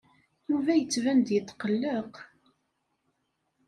Yuba yettban-d yetqelleq.